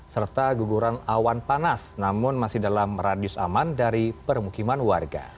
serta guguran awan panas namun masih dalam radius aman dari permukiman warga